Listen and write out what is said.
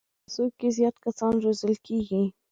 په دې مدرسو کې زیات کسان روزل کېږي.